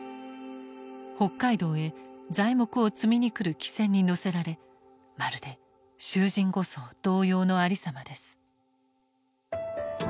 北海道へ材木を積みに来る汽船に乗せられまるで囚人護送同様の有様です」。